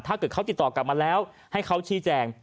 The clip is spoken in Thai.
ถ้าเกิดเขาติดต่อกลับมาแล้วให้เขาชี้แจง